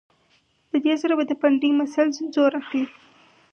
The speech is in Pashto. د دې سره به د پنډۍ مسلز زور اخلي